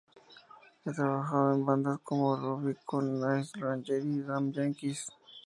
Ha trabajado en bandas como "Rubicon", Night Ranger y Damn Yankees.